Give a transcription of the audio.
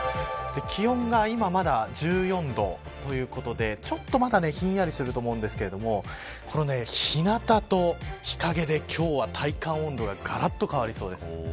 気温は今、まだ１４度ということでちょっとまだひんやりすると思うんですけどこの日なたと日陰で今日は体感温度ががらっと変わりそうです。